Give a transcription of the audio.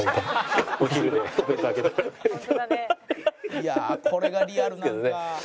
「いやあこれがリアルなんか」